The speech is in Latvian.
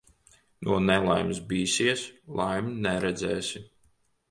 No nelaimes bīsies, laimi neredzēsi.